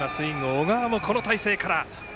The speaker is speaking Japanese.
小川も、この体勢から。